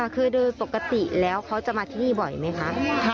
คือโดยปกติแล้วเขาจะมาที่นี่บ่อยไหมคะ